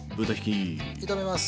炒めます。